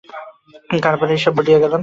কারবারের হিসাব ভুলিয়া গেলাম।